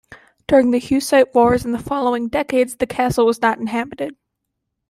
During the Hussite Wars and the following decades, the castle was not inhabited.